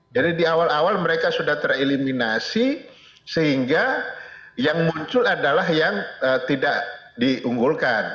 jadi di awal awal mereka sudah tereliminasi sehingga yang muncul adalah yang tidak diunggulkan